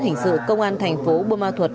hình sự công an thành phố bùa ma thuật